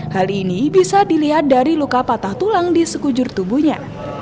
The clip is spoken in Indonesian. hal ini bisa dilihat dari luka patah tulang di sekujur tubuhnya